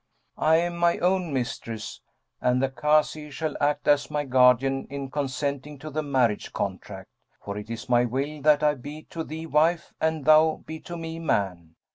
I am my own mistress and the Kazi shall act as my guardian in consenting to the marriage contract; for it is my will that I be to thee wife and thou be to me man.'